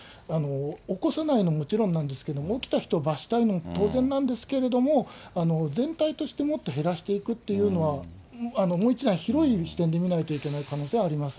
起こさないのももちろんなんですけれども、起きた人を罰したいのは当然なんですけれども、全体としてもっと減らしていくというのは、もう一段広い視点で見ないといけない可能性はあります。